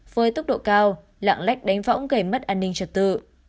với tốc độ cao lạng lách đánh võng gây mất an ninh trật tự